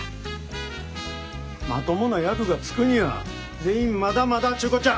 まともな役がつくには全員まだまだっちゅうこっちゃ。